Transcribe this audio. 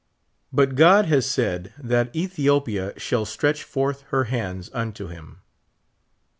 But God has said that Ethiopia shall stretch forth her hands unto him.